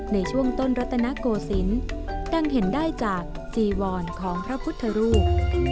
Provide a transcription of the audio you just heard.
ในช่วงต้นรัตนโกศิลป์ดังเห็นได้จากจีวรของพระพุทธรูป